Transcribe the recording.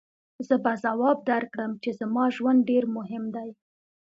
زه به ځواب درکړم چې زما ژوند ډېر مهم دی.